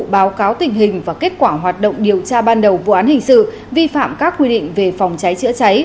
báo cáo tình hình và kết quả hoạt động điều tra ban đầu vụ án hình sự vi phạm các quy định về phòng cháy chữa cháy